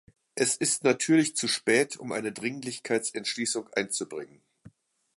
Es ist natürlich zu spät, um eine Dringlichkeitsentschließung einzubringen.